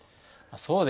そうですね。